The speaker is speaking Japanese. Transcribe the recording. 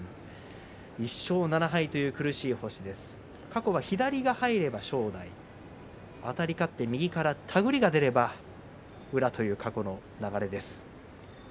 １勝７敗という苦しい星ですが左が入れば正代あたり勝って右から手繰りが出れば宇良という過去の流れです。